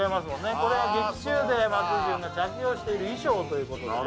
これは劇中で松潤が着用している衣装ということでね